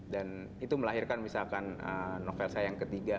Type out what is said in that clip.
dan itu melahirkan misalkan novel saya yang ketiga